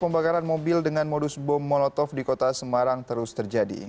pembakaran mobil dengan modus bom monotov di kota semarang terus terjadi